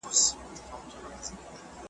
د موسی همسا ته ولاړم .